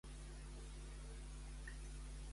Quin autor informa d'una estàtua de Tríopas a Delfos?